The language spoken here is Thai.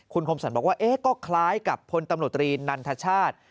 คุณคมสรรบอกว่าก็คล้ายกับพลตำรวจตรีนันทชาติ